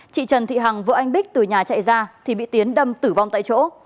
chị trần thị hằng vợ anh bích từ nhà chạy ra thì bị tiến đâm tử vong tại chỗ